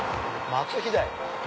松飛台。